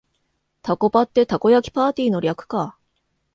タコパってたこ焼きパーティーの略か